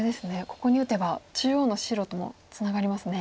ここに打てば中央の白ともツナがりますね。